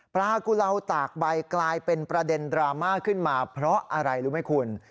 กุเลาตากใบกลายเป็นประเด็นดราม่าขึ้นมาเพราะอะไรรู้ไหมคุณ